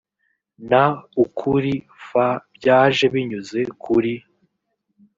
n ukuri f byaje binyuze kuri